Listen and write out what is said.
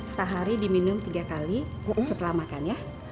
sehari diminum tiga kali setelah makan ya